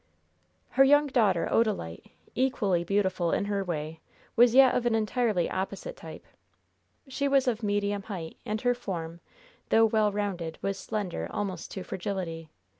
Her young daughter, Odalite, equally beautiful in her way, was yet of an entirely opposite type. She was of medium height, and her form, though well rounded, was slender almost to fragility.